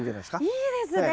いいですね！